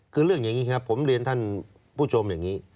คือเรื่องอย่างนี้ครับผมเรียนท่านผู้ชมอย่างนี้